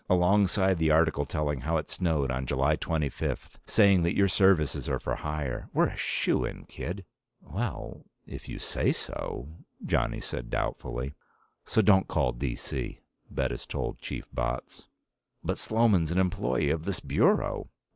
Alongside the article telling how it snowed on July twenty fifth. Saying that your services are for hire. We're a shoo in, kid!" "Well, if you say so," Johnny said doubtfully. "So don't call D.C.," Bettis told Chief Botts. "But Sloman's an employee of this Bureau."